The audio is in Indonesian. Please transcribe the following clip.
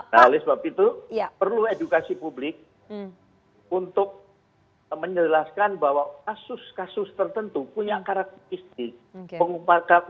nah oleh sebab itu perlu edukasi publik untuk menjelaskan bahwa kasus kasus tertentu punya karakteristik